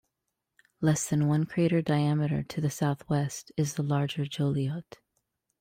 Less than one crater diameter to the southwest is the larger Joliot.